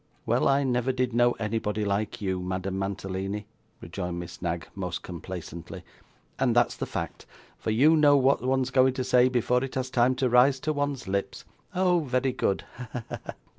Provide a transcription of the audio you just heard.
'Well, I never did know anybody like you, Madame Mantalini,' rejoined Miss Knag most complacently, 'and that's the fact, for you know what one's going to say, before it has time to rise to one's lips. Oh, very good!